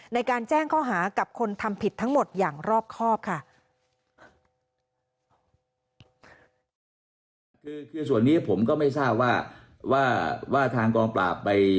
ในการแจ้งข้อหากับคนทำผิดทั้งหมดอย่างรอบครอบค่ะ